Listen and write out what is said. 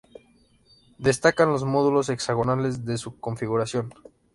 Destacan los módulos hexagonales de su configuración.